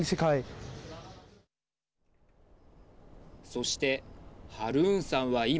そして、ハルーンさんは今。